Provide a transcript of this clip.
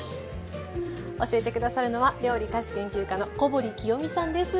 教えて下さるのは料理・菓子研究家の小堀紀代美さんです。